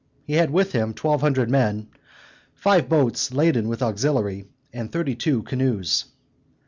He had with him twelve hundred men, five boats laden with artillery, and thirty two canoes.